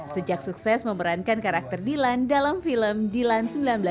sejak sukses memerankan karakter dilan dalam film dilan seribu sembilan ratus sembilan puluh